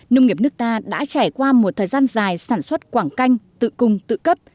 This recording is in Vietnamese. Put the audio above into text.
nông nghiệp nước ta đã trải qua một thời gian dài sản xuất quảng canh tự cung tự cấp